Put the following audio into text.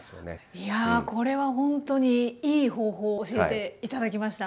いやこれはほんとにいい方法を教えて頂きました。